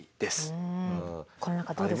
この中どうですか？